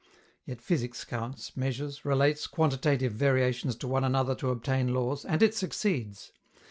Yet physics counts, measures, relates "quantitative" variations to one another to obtain laws, and it succeeds.